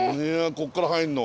ここから入るの？